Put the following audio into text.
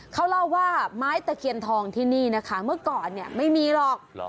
เขาเล่าว่าไม้ตะเคียนทองที่นี่นะคะเมื่อก่อนเนี่ยไม่มีหรอก